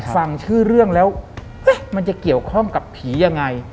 ฟังชื่อเรื่องแล้วมันจะเกี่ยวข้องกับผียังไง